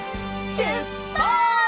しゅっぱつ！